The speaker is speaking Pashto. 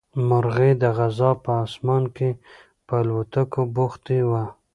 مرغۍ د غزا په اسمان کې په الوتلو بوختې وې.